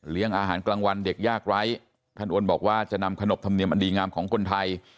อาหารกลางวันเด็กยากไร้ท่านอ้วนบอกว่าจะนำขนบธรรมเนียมอันดีงามของคนไทย